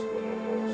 oh sebenarnya bos